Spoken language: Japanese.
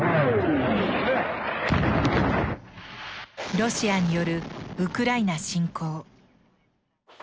ロシアによるウクライナ侵攻。